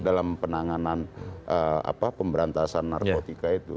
dalam penanganan pemberantasan narkotika itu